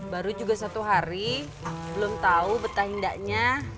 baru juga satu hari belum tahu betah hendaknya